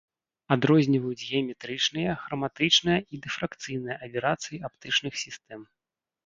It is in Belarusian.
Адрозніваюць геаметрычныя, храматычныя і дыфракцыйныя аберацыі аптычных сістэм.